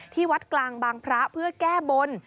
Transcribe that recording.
ที่วัดกลางบางพระเพื่อแก้บน